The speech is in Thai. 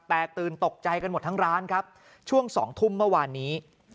ตื่นตกใจกันหมดทั้งร้านครับช่วง๒ทุ่มเมื่อวานนี้